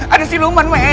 ada siluman me